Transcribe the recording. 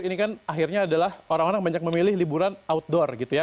ini kan akhirnya adalah orang orang banyak memilih liburan outdoor gitu ya